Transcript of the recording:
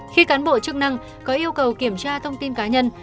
khi cán bộ chức năng có yêu cầu kiểm tra thông tin cá nhân